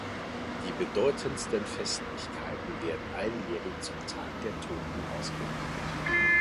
Die bedeutendsten Festlichkeiten werden alljährlich zum Tag der Toten ausgerichtet.